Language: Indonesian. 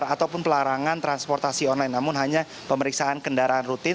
ataupun pelarangan transportasi online namun hanya pemeriksaan kendaraan rutin